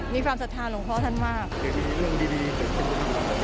มีความสัทธาหลงพ่อท่านมากคือมีเรื่องดี